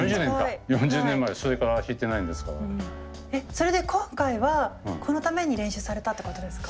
それで今回はこのために練習されたってことですか？